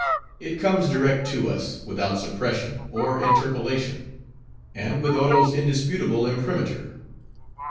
It comes direct to us, without suppression or interpolation; and with Oro's indisputable imprimatur.